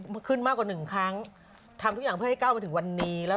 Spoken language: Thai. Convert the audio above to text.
ประกวดอายุดยี่สิบสี่ใช่